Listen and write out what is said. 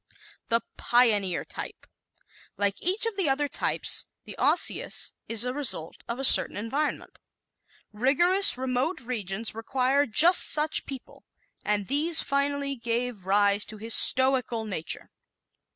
The Pioneer Type ¶ Like each of the other types, the Osseous is a result of a certain environment. Rigorous, remote regions require just such people, and these finally gave rise to this stoical nature.